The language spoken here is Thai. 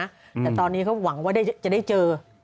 แต่ตอนนี้เขาหวังว่าจะได้เจอ